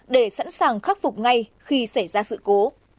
để sẵn sàng khắc phục ngay khi xảy ra sự cố